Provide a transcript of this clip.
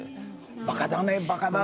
「バカだねバカだね」